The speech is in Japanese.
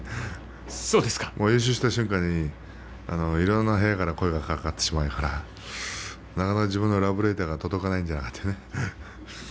優勝した瞬間にいろいろな部屋から声がかかってしまうからなかなか自分のラブレターが届かないのではないかと。